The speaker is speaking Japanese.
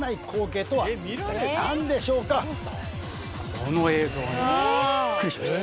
この映像はねびっくりしました。